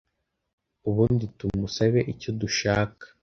ubundi tumusabe icyo dushaka